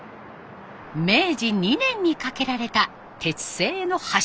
明治２年に架けられた鉄製の橋。